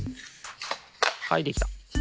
はいできた。